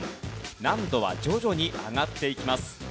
難度は徐々に上がっていきます。